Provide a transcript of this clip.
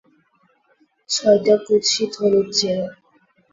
ছয়টা কুৎসিত হলুদ চেয়ার।